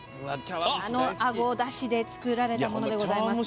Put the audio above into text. あの、あごだしで作られたものです。